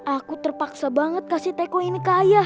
aku terpaksa banget kasih teko ini ke ayah